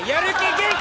元気！